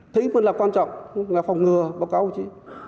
thế nhưng mà là quan trọng là phòng ngừa báo cáo chứ